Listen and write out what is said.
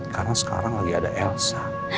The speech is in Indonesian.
karena sekarang lagi ada elsa